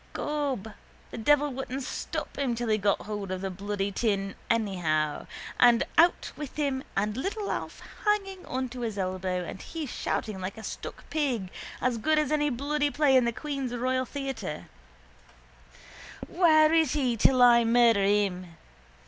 Gob, the devil wouldn't stop him till he got hold of the bloody tin anyhow and out with him and little Alf hanging on to his elbow and he shouting like a stuck pig, as good as any bloody play in the Queen's royal theatre: —Where is he till I murder him?